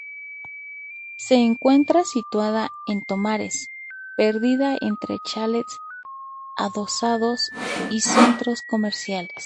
Se encuentra situada en Tomares, perdida entre chalets adosados y centros comerciales.